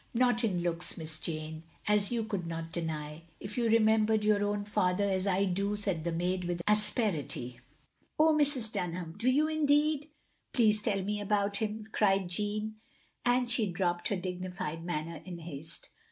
"Not in looks. Miss Jane, as you could not deny, if you remembered your own father as I do, " said the maid with asperity. "Oh, Mrs. Dunham, do you indeed? Please tell me about him, " cried Jeanne, and she dropped her dignified manner in haste.